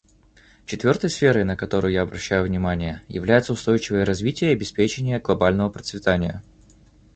Четвертой сферой, на которую я обращаю внимание, является устойчивое развитие и обеспечение глобального процветания.